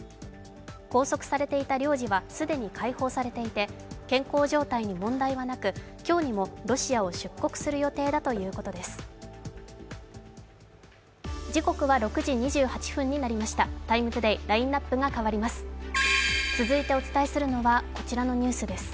拘束されていた領事は既に解放されていて、健康状態に問題はなく今日にもロシアを出国する予定だということです。